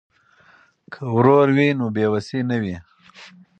که ورور وي نو بې وسی نه وي.